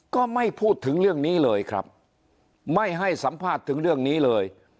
ก็ไม่พูดถึงเรื่องนี้เลยครับไม่ให้สัมภาษณ์ถึงเรื่องนี้เลย